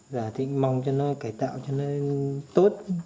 dạ thì mong cho nó cải tạo cho nó tốt